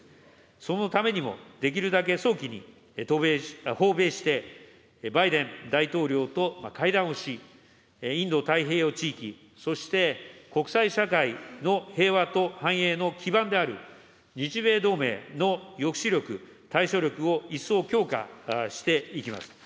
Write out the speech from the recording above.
そのためにもできるだけ早期に訪米して、バイデン大統領と会談をし、インド太平洋地域、そして国際社会の平和と繁栄の基盤である日米同盟の抑止力・対処力を一層強化していきます。